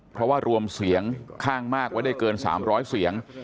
เพราะว่ารวมเสียงข้างมากไว้ได้เกิน๓๐๐เสียง